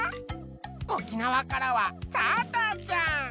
沖縄からはさぁたぁちゃん。